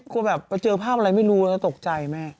กลัวแบบไปเจอภาพอะไรไม่รู้แล้วตกใจแม่